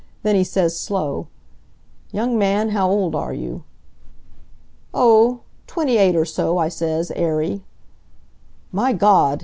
Then he says, slow: 'Young man, how old are you?' "'O, twenty eight or so,' I says, airy. "'My Gawd!'